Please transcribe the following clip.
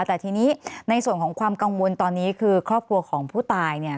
แต่ทีนี้ในส่วนของความกังวลตอนนี้คือครอบครัวของผู้ตายเนี่ย